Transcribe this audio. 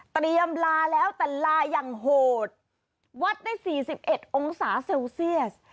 ลาแล้วแต่ลาอย่างโหดวัดได้๔๑องศาเซลเซียส